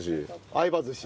相葉寿司。